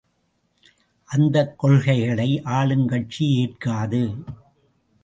அந்தக் கொள்கைகளை ஆளுங்கட்சி ஏற்காது.